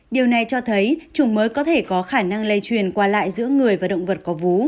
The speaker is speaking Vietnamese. điều này cho thấy chủng mới có thể có khả năng lây truyền qua lại giữa người và động vật có vú